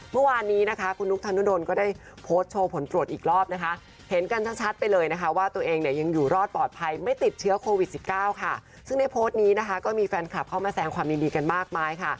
เมื่อวานนี้นะคะคุณนุกธนดลก็ได้โพสต์โชว์ผลปรวจอีกรอบนะคะ